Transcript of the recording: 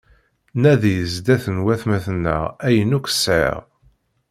Nadi zdat n watmaten-nneɣ ayen akk sɛiɣ.